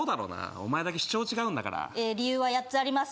お前だけ主張違うんだから理由は８つあります